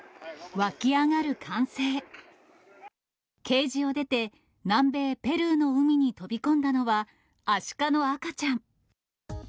ケージを出て、南米ペルーの海に飛び込んだのは、アシカの赤ちゃん。